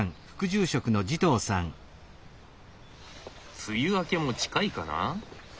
梅雨明けも近いかな？